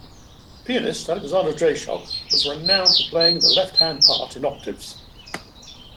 The pianist Alexander Dreyschock was renowned for playing the left hand part in octaves.